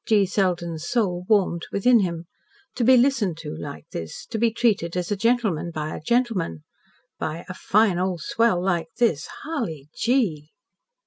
G. Selden's soul warmed within him. To be listened to like this. To be treated as a gentleman by a gentleman by "a fine old swell like this Hully gee!"